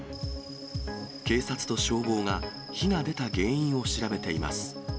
警察と消防が火が出た原因を調べています。